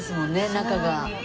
中が。